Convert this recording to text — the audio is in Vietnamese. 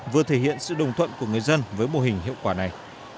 vừa thể hiện sự đồng thuận của người dân với mô hình hiệu quả này